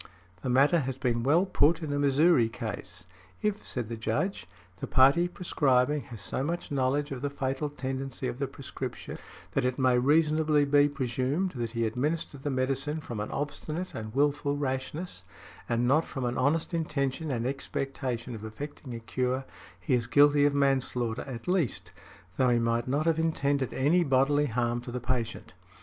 The matter has been well put in a Missouri case. "If," said the Judge, "the party prescribing has so much knowledge of the fatal tendency of the prescription that it may reasonably be presumed that he administered the medicine from an obstinate and wilful rashness, and not from an honest intention and expectation of effecting a cure, he is guilty of manslaughter at least, though he might not have intended any bodily harm to the patient" .